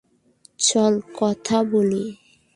চল কথা বলি।